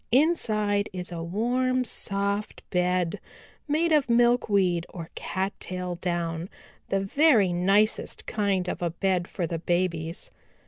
Inside is a warm, soft bed made of milkweed or cattail down, the very nicest kind of a bed for the babies.